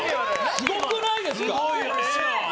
すごくないですか？